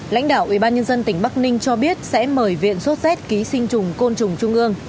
lãnh đạo ubnd tỉnh bắc ninh cho biết sẽ mời viện sốt xét ký sinh trùng côn trùng trung ương